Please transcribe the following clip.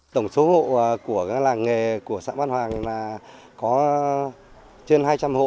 tổng số hộ của làng nghề của xã văn hoàng là có trên hai trăm linh hộ